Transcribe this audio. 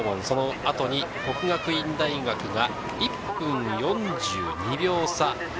そのあとに國學院大學が１分４２秒差。